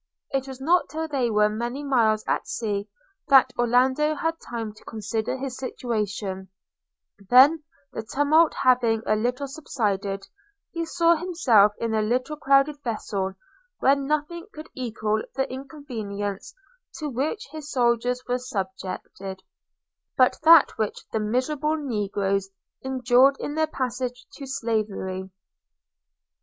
It was not till they were many miles at sea that Orlando had time to consider his situation: then, the tumult having a little subsided, he saw himself in a little crowded vessel, where nothing could equal the inconvenience to which his soldiers were subjected, but that which the miserable negroes endure in their passage to slavery 5.